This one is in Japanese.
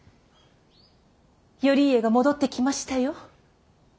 頼家が戻ってきましたよ。